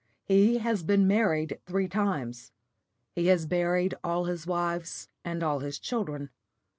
He has been married three times; he has buried all his wives and all his children.